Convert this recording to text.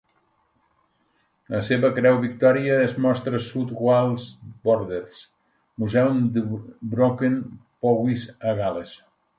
La seva Creu Victoria es mostra South Wales Borderers Museum de Brecon (Powys), a Gal·les.